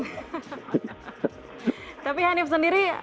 tapi hanif sendiri